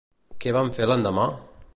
Què van fer l'endemà?